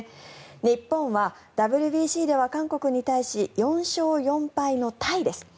日本はＷＢＣでは韓国に対し４勝４敗のタイです。